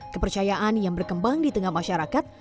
kepercayaan yang berkembang di tengah masyarakat